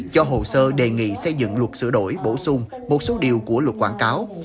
cho hồ sơ đề nghị xây dựng luật sửa đổi bổ sung một số điều của luật quảng cáo